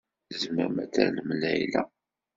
Tzemrem ad tallem Layla?